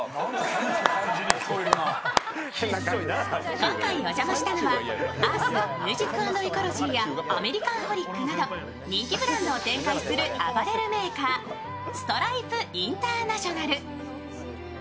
今回お邪魔したのはｅａｒｔｈｍｕｓｉｃ＆ｅｃｏｌｏｇｙやアメリカンホリックなど人気ブランドを展開するアパレルメーカー、ストライプインターナショナル。